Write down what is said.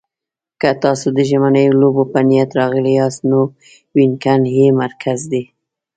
که تاسو د ژمنیو لوبو په نیت راغلي یاست، نو وینګن یې مرکز دی.